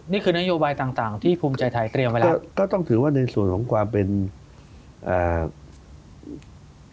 นี่คือนโยบายต่างต่างที่ภูมิใจไทยเตรียมไว้แล้วก็ต้องถือว่าในส่วนของความเป็นอ่า